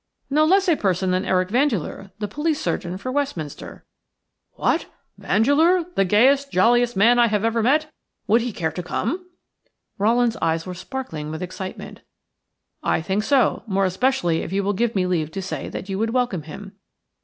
"No less a person than Eric Vandeleur, the police surgeon for Westminster." "What! Vandeleur – the gayest, jolliest man I have ever met! Would he care to come?" Rowland's eyes were sparkling with excitement. "I think so; more especially if you will give me leave to say that you would welcome him."